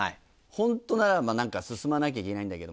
ホントならば何か進まなきゃいけないんだけど。